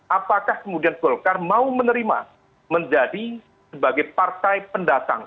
apakah kemudian golkar mau menerima menjadi sebagai partai pendatang